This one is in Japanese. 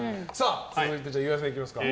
続いて岩井さんいきますか。